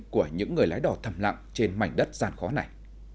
của những người lái đỏ thầm lặng trên mảnh đất gian khó này